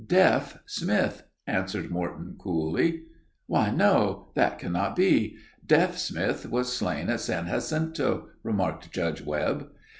"Deaf Smith," answered Morton, coolly. "Why, no; that can not be. Deaf Smith was slain at San Jacinto," remarked Judge Webb.